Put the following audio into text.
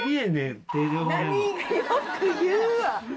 よく言うわ！